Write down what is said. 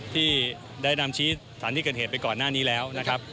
ที่ได้นำชี้สถานที่เกิดเหตุไปก่อนหน้านี้แล้วนะครับ